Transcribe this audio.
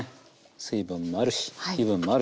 水分もあるし油分もあるし。